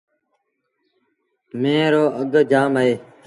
ميݩهن رو اگھ جآم هوئي دو۔